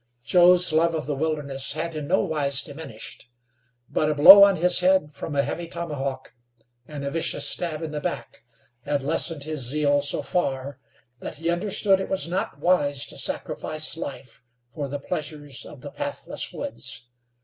Joe's love of the wilderness had in no wise diminished; but a blow on his head from a heavy tomahawk, and a vicious stab in the back, had lessened his zeal so far that he understood it was not wise to sacrifice life for the pleasures of the pathless woods.